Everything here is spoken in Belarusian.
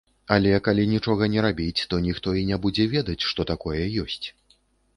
Але калі нічога не рабіць, то ніхто і не будзе ведаць, што такое ёсць.